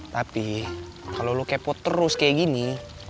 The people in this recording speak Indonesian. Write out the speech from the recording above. tapi kalau lo kepot terus kayak gini